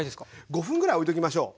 ５分ぐらいおいときましょう。